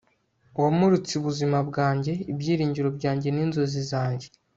wamuritse ubuzima bwanjye, ibyiringiro byanjye, n'inzozi zanjye